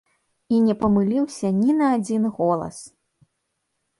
І не памыліўся ні на адзін голас!